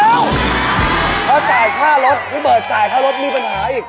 เอ้าเขาจ่ายค่ารถพี่เบิร์ดจ่ายค่ารถมีปัญหาอีก